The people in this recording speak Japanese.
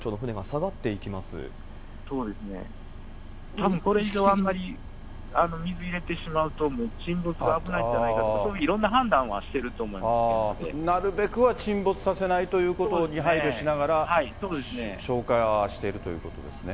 たぶんこれ以上あんまり水入れてしまうと、もう沈没危ないんじゃないかとか、そういういろんな判断はしてるとなるべくは沈没させないということに配慮しながら、消火しているということですね。